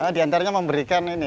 di antaranya memberikan ini ya